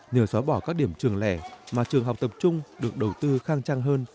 nhờ xóa bỏ các điểm trường lẻ mà trường học tập trung được đầu tư khang trang hơn